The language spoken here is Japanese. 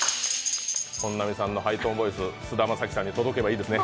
本並さんのハイトーンボイス、菅田将暉さんに届けばいいですね。